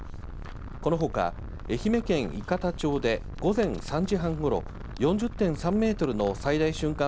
このほか愛媛県伊方町で午前３時半ごろ、４０．３メートルの最大瞬間